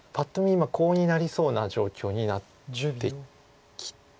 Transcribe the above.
今コウになりそうな状況になってきたうん？